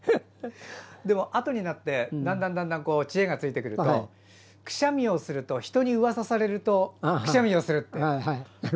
でも、あとになってだんだん、だんだん知恵がついてくるとくしゃみをすると人にうわさをされるとくしゃみをするって。